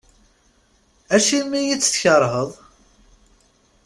Acimi i tt-tkerheḍ?